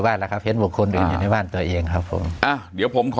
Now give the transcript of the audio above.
บ้านนะครับเห็นบุคคลอยู่ในบ้านตัวเองครับผมเดี๋ยวผมขอ